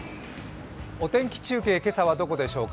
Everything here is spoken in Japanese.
お天気中継、今朝はどこでしょうか。